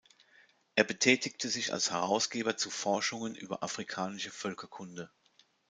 Er betätigte sich als Herausgeber zu Forschungen über afrikanische Völkerkunde.